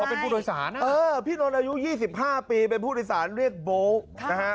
เป็นผู้โดยสารเออพี่นนท์อายุ๒๕ปีเป็นผู้โดยสารเรียกโบ๊นะฮะ